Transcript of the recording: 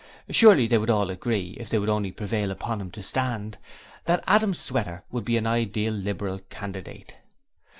Surely they would all agree if they could only prevail upon him to stand that Adam Sweater would be an ideal Liberal Candidate!